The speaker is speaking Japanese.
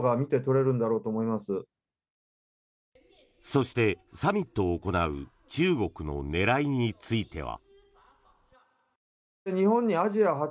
そして、サミットを行う中国の狙いについては。